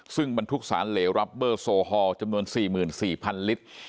ซึ่งบรรทุกสารเหลวรัปเบอร์โซฮอลจำนวน๔๔๐๐๐ลิตร